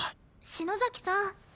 篠崎さん。